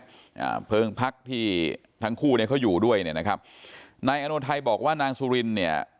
อ่าเพลิงพักที่ทั้งคู่เนี้ยเขาอยู่ด้วยเนี่ยนะครับนายอนนท์ไทยบอกว่านางสุรินเนี่ย